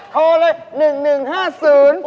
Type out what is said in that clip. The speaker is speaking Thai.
โทรเลย๑๑๕๐